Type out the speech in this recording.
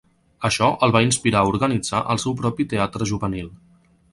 Això el va inspirar a organitzar el seu propi teatre juvenil.